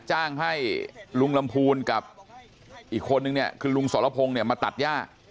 จ้างให้ลุงลำพูนกับอีกคนนึงเนี่ยคือลุงสรพงศ์เนี่ยมาตัดย่า